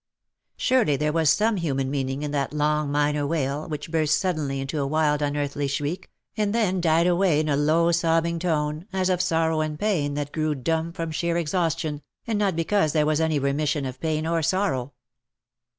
Surely there was some human 269 meaniDg in that long minor wail, whicli burst suddenly into a wild unearthly shriek, and then died away in a low sobbing tone, as of sorrow and pain that grew dumb from sheer exhaustion, and not because there was any remission of pain or sorrow.